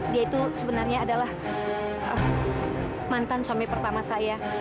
dia itu sebenarnya adalah mantan suami pertama saya